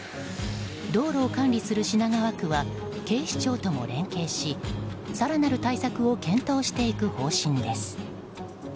道路を管理する品川区は警視庁とも連携し更なる対策を検討していく方針です。